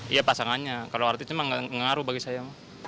iya pasangannya kalau artisnya memang ngaruh bagi saya